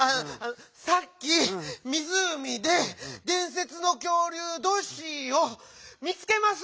さっきみずうみででんせつのきょうりゅうドッシーを「みつけます」！